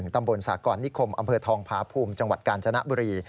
ตำบลสากรนิคมอำเภอทองผาภูมิจังหวัดกาญจนบุรี